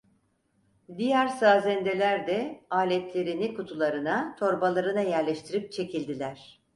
Diğer sazendeler de aletlerini kutularına, torbalarına yerleştirip çekildiler.